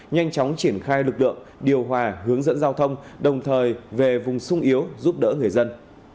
nhanh chóng triển khai lực lượng điều hòa hướng dẫn giao thông đồng thời về vùng sung yếu giúp đỡ người dân